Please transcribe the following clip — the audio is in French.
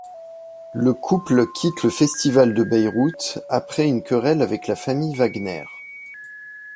Le couple quitte le Festival de Bayreuth, après une querelle avec la famille Wagner.